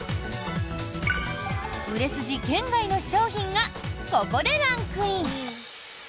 売れ筋圏外の商品がここでランクイン。